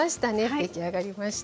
出来上がりました。